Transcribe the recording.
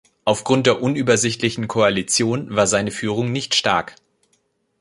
Aufgrund der unübersichtlichen Koalition war seine Führung nicht stark.